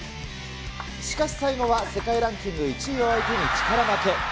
しかし最後は世界ランキング１位を相手に力負け。